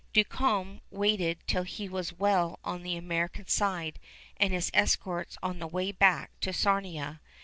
Duncombe waited till he was well on the American side, and his escorts on the way back to Sarnia.